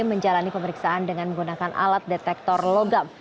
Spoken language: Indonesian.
menjalani pemeriksaan dengan menggunakan alat detektor logam